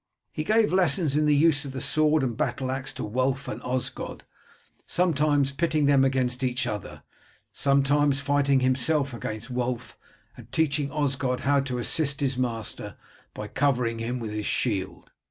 He gave lessons in the use of the sword and battle axe to Wulf and Osgod, sometimes pitting them against each other, sometimes fighting himself against Wulf, and teaching Osgod how to assist his master by covering him with his shield.